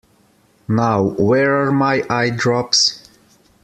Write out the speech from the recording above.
Now, where are my eyedrops?